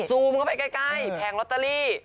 ซูมเข้าไปใกล้แผงลอตเตอรี่